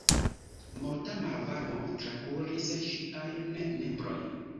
Morta malvarmo trakuris ŝiajn membrojn.